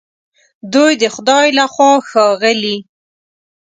دوی د خدای له خوا ښاغلي